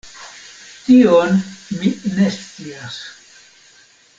Tion mi ne scias.